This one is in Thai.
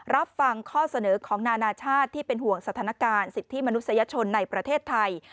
รับฟังข้อเสนอของนานาชาติที่เป็นห่วงสถานการณ์สิทธิมนุษยชนในประเทศไทย